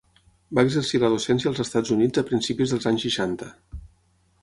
Va exercir la docència als Estats Units a principis dels anys seixanta.